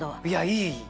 いい？